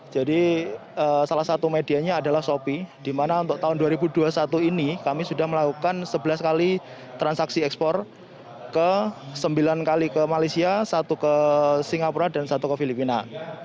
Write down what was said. jadi salah satu medianya adalah sopi di mana untuk tahun dua ribu dua puluh satu ini kami sudah melakukan sebelas kali transaksi ekspor ke sembilan kali ke malaysia satu ke singapura dan satu ke filipina